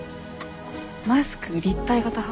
マスク立体型派？